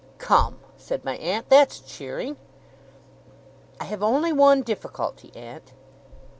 'Come!' said my aunt. 'That's cheering!' 'I have only one difficulty, aunt.